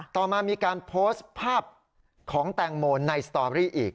ต่อมามีการโพสต์ภาพของแตงโมในสตอรี่อีก